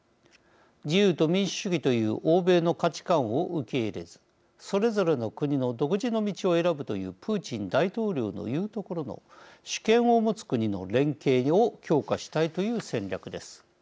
自由と民主主義という欧米の価値観を受け入れずそれぞれの国の独自の道を選ぶというプーチン大統領の言うところの主権を持つ国の連携を強化したいという戦略です。